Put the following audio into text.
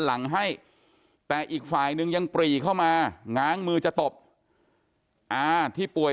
หลังให้แต่อีกฝ่ายนึงยังปรีเข้ามาง้างมือจะตบอาที่ป่วย